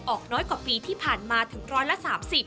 น้อยกว่าปีที่ผ่านมาถึงร้อยละ๓๐